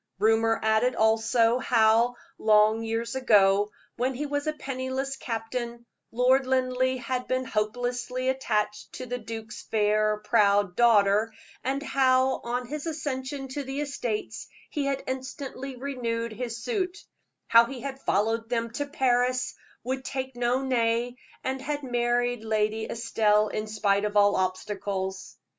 Rumor added also, how, long years ago, when he was a penniless captain, Lord Linleigh had been hopelessly attached to the duke's fair, proud daughter, and how, on his accession to the estates, he had instantly renewed his suit; how he had followed them to Paris, would take no nay, and had married Lady Estelle in spite of all obstacles.